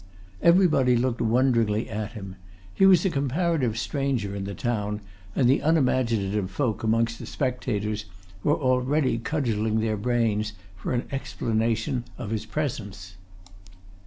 Everybody looked wonderingly at him; he was a comparative stranger in the town, and the unimaginative folk amongst the spectators were already cudgelling their brains for an explanation of his presence.